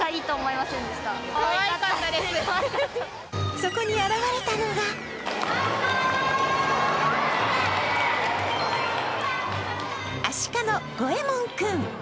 そこに現れたのがアシカのゴエモン君。